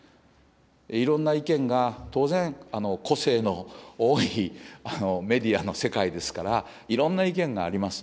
いろんな意見が当然、個性の多いメディアの世界ですから、いろんな意見があります。